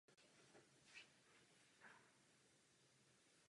Vzdělával budoucí architekty.